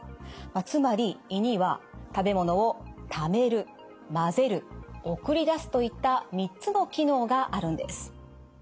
つまり胃には食べ物をためる混ぜる送り出すといった３つの機能があるんです。